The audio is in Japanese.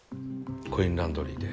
コインランドリーで。